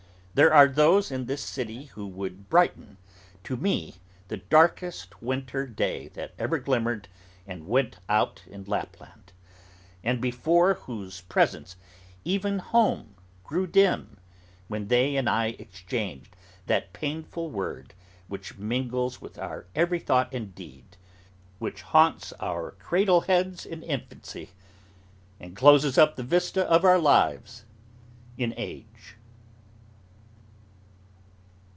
There are those in this city who would brighten, to me, the darkest winter day that ever glimmered and went out in Lapland; and before whose presence even Home grew dim, when they and I exchanged that painful word which mingles with our every thought and deed; which haunts our cradle heads in infancy, and closes up the vista of our lives in age.